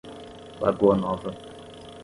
Lagoa Nova